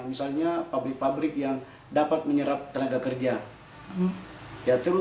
misalnya pabrik pabrik yang dapat menyerap tenaga kerja